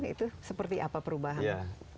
itu seperti apa perubahan